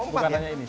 bukan hanya ini